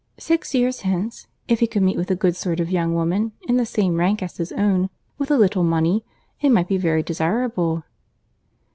Six years hence, if he could meet with a good sort of young woman in the same rank as his own, with a little money, it might be very desirable."